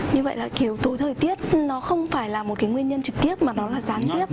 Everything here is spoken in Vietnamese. như vậy là yếu tố thời tiết nó không phải là một cái nguyên nhân trực tiếp mà nó là gián tiếp